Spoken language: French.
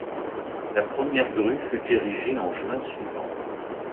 La première grue fut érigée en juin suivant.